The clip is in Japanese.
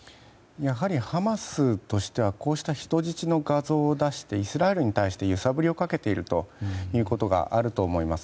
やはりハマスとしてはこうした人質の画像を出してイスラエルに対して揺さぶりをかけているということがあると思います。